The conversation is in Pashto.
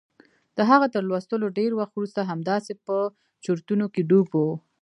د هغه تر لوستلو ډېر وخت وروسته همداسې په چورتونو کې ډوب و.